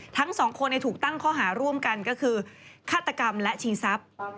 ทั้งสองคนถูกตั้งข้อหาร่วมกันก็คือฆาตกรรมและชิงทรัพย์